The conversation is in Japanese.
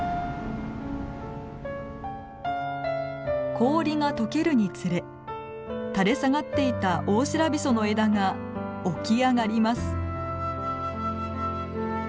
氷が溶けるにつれ垂れ下がっていたオオシラビソの枝が起き上がります。